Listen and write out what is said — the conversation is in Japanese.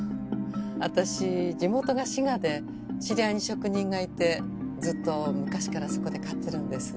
私地元が滋賀で知り合いに職人がいてずっと昔からそこで買ってるんです。